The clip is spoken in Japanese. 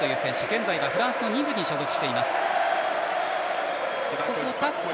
現在はフランスの２部に所属しています。